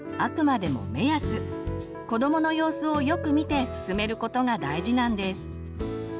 子どもの様子をよく見て進めることが大事なんです。